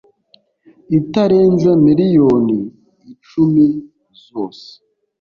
itarenze miliyoni icumi zose